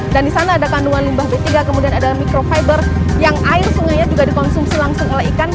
dan di sana ada kandungan limbah b tiga kemudian ada microfiber yang air sungainya juga dikonsumsi langsung oleh ikan